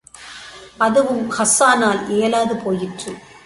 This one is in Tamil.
அதுவும் ஹஸ்ஸானால் இயலாது போயிற்று.